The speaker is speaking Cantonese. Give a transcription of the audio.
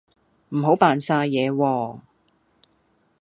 唔好扮晒嘢喎